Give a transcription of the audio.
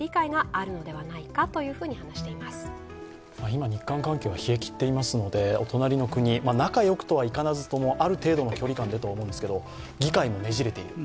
今、日韓関係は冷え切っていますのでお隣の国、仲よくとはいかなくともある程度の距離感でと思うんですけれども、議会もねじれている。